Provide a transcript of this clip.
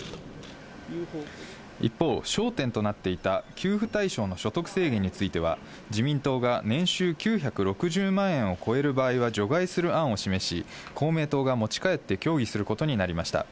一方、焦点となっていた給付対象の所得制限については、自民党が、年収９６０万円を超える場合は除外する案を示し、公明党が持ち帰って協議することになりました。